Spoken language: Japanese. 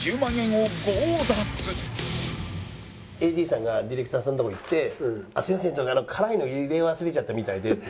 ＡＤさんがディレクターさんのとこに行って「すいません辛いの入れ忘れちゃったみたいで」って。